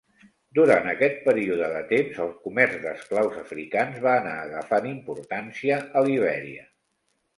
Durant aquest període de temps, el comerç d'esclaus africans va anar agafant importància a Libèria.